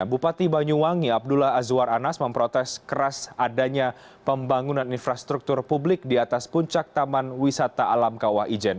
bupati banyuwangi abdullah azwar anas memprotes keras adanya pembangunan infrastruktur publik di atas puncak taman wisata alam kawah ijen